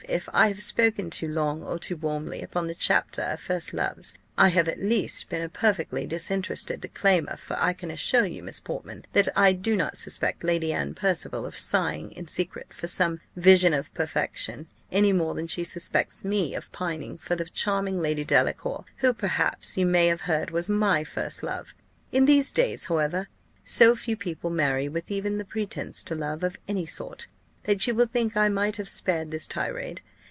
If I have spoken too long or too warmly upon the chapter of first loves, I have at least been a perfectly disinterested declaimer; for I can assure you, Miss Portman, that I do not suspect Lady Anne Percival of sighing in secret for some vision of perfection, any more than she suspects me of pining for the charming Lady Delacour, who, perhaps, you may have heard was my first love. In these days, however, so few people marry with even the pretence to love of any sort, that you will think I might have spared this tirade.